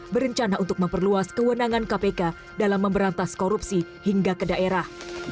berencana untuk memperluas kewenangan kpk dalam memberantas korupsi hingga ke daerah